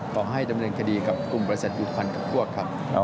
ขอให้ดำเนินคดีกับกลุ่มบริษัทอยุทธ์ภันค์ด้วยครับ